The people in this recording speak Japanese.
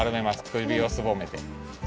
くびをすぼめて。